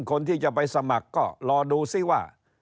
คนที่จะไปสมัครก็รอดูซิว่า